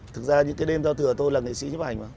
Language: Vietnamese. thực ra những cái đêm giao thừa tôi là nghệ sĩ nhấp ảnh mà